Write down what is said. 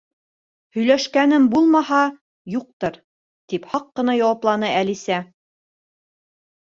—Һөйләшкәнем булмаһа, юҡтыр, —тип һаҡ ҡына яуапланы Әлисә.